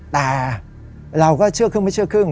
แต่เราก็เชื่อครึ่งไม่เชื่อครึ่ง